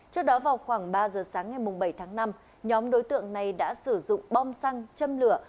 trước đó vào khoảng ba giờ sáng ngày bảy tháng năm nhóm đối tượng này đã sử dụng bom xăng châm lửa